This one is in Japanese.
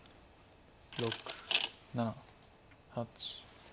６７８。